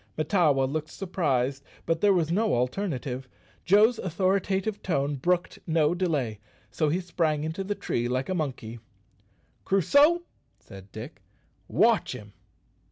Mahtawa looked surprised, but there was no alternative. Joe's authoritative tone brooked no delay, so he sprang into the tree like a monkey. "Crusoe," said Dick, "_watch him!